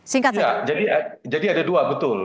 singkat saja jadi ada dua betul